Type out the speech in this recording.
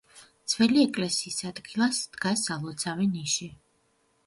ძველი ეკლესიის ადგილას დგას სალოცავი ნიში.